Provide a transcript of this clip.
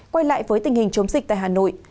quay lại với tình hình chống dịch tại hà nội